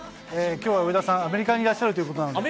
きょうは上田さん、アメリカにいらっしゃるということなので。